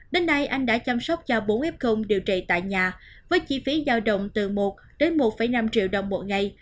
đến nay anh đã chăm sóc cho bốn f điều trị tại nhà với chi phí giao động từ một đến một năm triệu đồng mỗi ngày